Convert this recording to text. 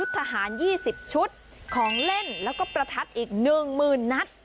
ที่สิบชุดของเล่นแล้วก็ประทัดอีกหนึ่งมือนัด